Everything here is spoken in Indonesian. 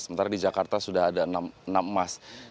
sementara di jakarta sudah ada enam emas